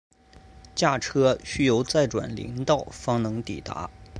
驾车需由再转林道方能抵达。